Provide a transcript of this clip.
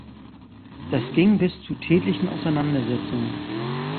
Das ging bis zu tätlichen Auseinandersetzungen.